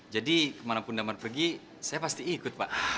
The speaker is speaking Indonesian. kemanapun damar pergi saya pasti ikut pak